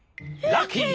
ラッキー！